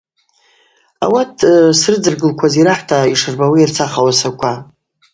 Ауат срыдзыргылкваз йрахӏвта йшырбауа йырцах ууасаква.